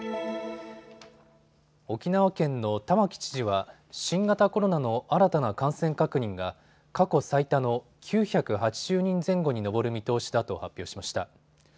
沖縄県の玉城知事は新型コロナの新たな感染確認が過去最多の９８０人前後に上る見通しだと発表しました。